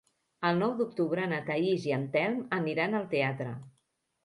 El nou d'octubre na Thaís i en Telm aniran al teatre.